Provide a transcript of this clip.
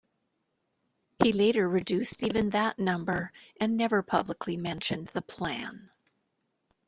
He later reduced even that number and never publicly mentioned the plan.